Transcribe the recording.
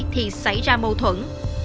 thì xảy ra mâu thuẫn